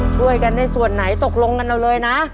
ช่วยกันในส่วนไหนตกลงกันเอาเลยนะ